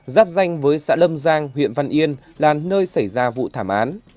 giáp danh với xã lâm giang huyện văn yên là nơi xảy ra vụ thảm án